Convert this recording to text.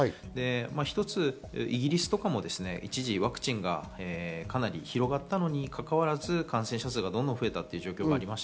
一つイギリスとかも、一時ワクチンがかなり広がったのに感染者数が増えたという状況がありました。